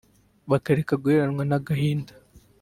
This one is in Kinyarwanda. bakareka guheranwa n’agahinda